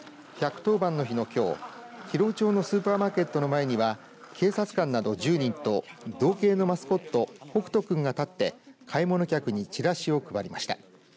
１１０番の日のきょう広尾町のスーパーマーケットの前には警察官など１０人と道警のマスコットほくとくんが立って買い物客にチラシを配りました。